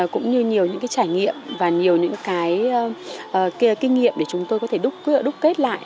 cũng như nhiều những cái trải nghiệm và nhiều những cái kinh nghiệm để chúng tôi có thể đúc kết lại